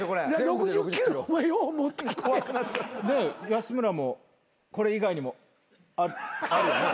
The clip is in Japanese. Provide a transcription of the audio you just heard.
安村もこれ以外にもあるよね？